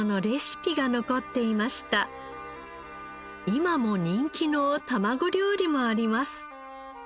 今も人気のたまご料理もあります。